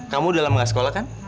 kamu udah lama nggak sekolah kan